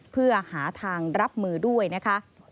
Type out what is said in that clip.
เพื่อหาทางรับมือด้วยนะคะ